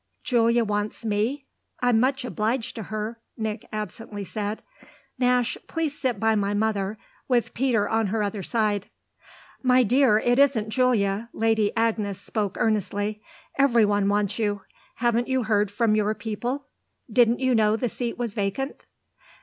"Julia wants me? I'm much obliged to her!" Nick absently said. "Nash, please sit by my mother, with Peter on her other side." "My dear, it isn't Julia" Lady Agnes spoke earnestly. "Every one wants you. Haven't you heard from your people? Didn't you know the seat was vacant?"